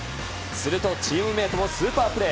すると、チームメートもスーパープレー。